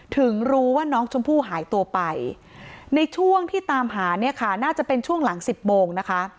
ถึงรู้ว่าน้องชมพู่หายตัวไปในช่วงที่ตามหาเนี่ยค่ะน่าจะเป็นช่วงหลังสิบโมงนะคะ